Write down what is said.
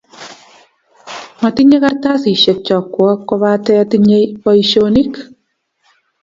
matinye kartasishek chokwok kopate tinye poishonik